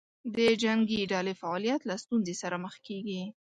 د جنګې ډلې فعالیت له ستونزې سره مخ کېږي.